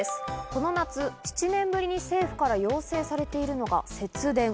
この夏、７年ぶりに政府から要請されているのが節電。